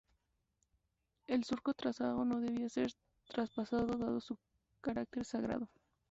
El surco trazado no debía ser traspasado dado su carácter sagrado.